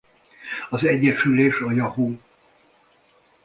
Az egyesülés a Yahoo!